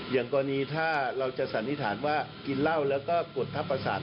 อย่างกรณีถ้าเราจะสันนิษฐานว่ากินเหล้าแล้วก็กดทับประสาท